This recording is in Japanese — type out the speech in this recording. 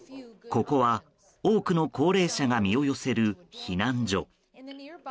ここは多くの高齢者が身を寄せる避難所。